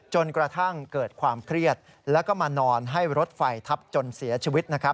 จนกระทั่งเกิดความเครียดแล้วก็มานอนให้รถไฟทับจนเสียชีวิต